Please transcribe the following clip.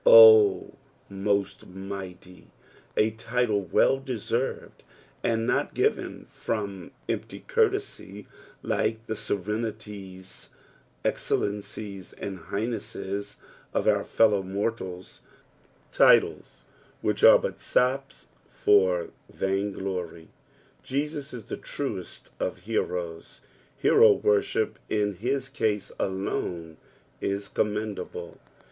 "0 matt mig/it}/." A title well deserfed, and not given from empty courtesy like the serenities, czcellencics, and highnesses of our fellow mortals — titles, which are but sops for vain glotr. Jesus is the truest of heroes. Hero worship in his case alone is commendnble.